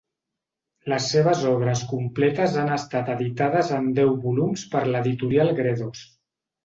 Les seves obres completes han estat editades en deu volums per l'editorial Gredos.